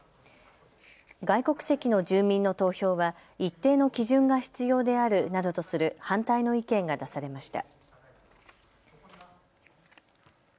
外国籍の住民の投票は一定の基準が必要であるなどとする反対の意見が出されました。